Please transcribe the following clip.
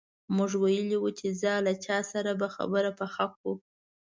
موږ ویلي وو چې ځه له چا سره به خبره پخه کړو.